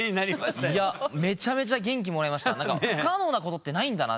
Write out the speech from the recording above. めちゃめちゃ元気もらいました。